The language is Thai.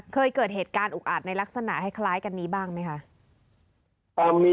เคยเกิดเหตุการณ์อุกอาจในลักษณะคล้ายกันนี้บ้างไหมคะ